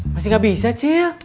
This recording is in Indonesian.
masih gak bisa cil